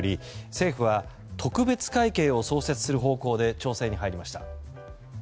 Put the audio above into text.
政府は特別会計を創設する方向で調整に入りました。